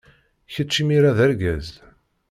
Kečč imir-a d argaz.